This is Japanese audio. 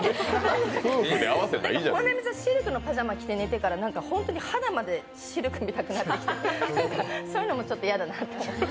本並さん、シルクのパジャマ着て寝てるとホントに肌までシルクみたくなってきてそういうのもちょっと嫌だなと思って。